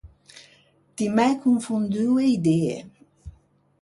Ti m’æ confonduo e idee.